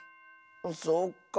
そっか。